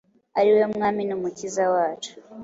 ari we Mwami n’Umukiza wacu